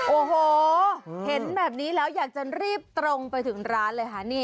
โอ้โหเห็นแบบนี้แล้วอยากจะรีบตรงไปถึงร้านเลยค่ะ